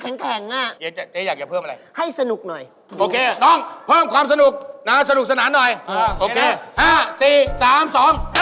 โภงหยกต่ำเยอะกาแน่นิดหนึ่ง